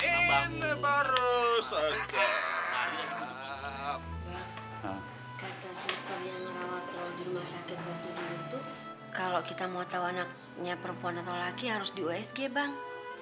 kata dokter yang merawat kalau di rumah sakit waktu dulu itu kalau kita mau tahu anaknya perempuan atau laki harus di usg bang